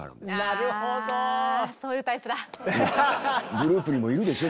グループにもいるでしょ？